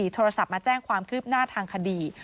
โทรศัพท์มาแจ้งความคืบหน้าทางคดี